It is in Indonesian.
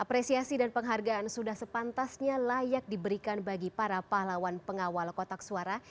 apresiasi dan penghargaan sudah sepantasnya layak diberikan bagi para pahlawan pengawal kotak suara